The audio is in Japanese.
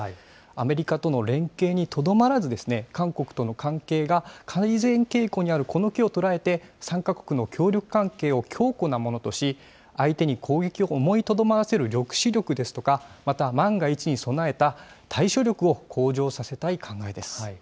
アメリカとの連携にとどまらず、韓国との関係が改善傾向にあるこの機を捉えて、３か国の協力関係を強固なものとし、相手に攻撃を思いとどまらせる抑止力ですとか、また万が一に備えた対処力を向上させたい考えです。